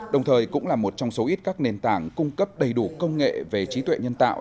đồng thời cũng là một trong số ít các nền tảng cung cấp đầy đủ công nghệ về trí tuệ nhân tạo